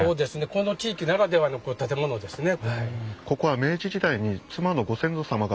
この地域ならではの建物ですね。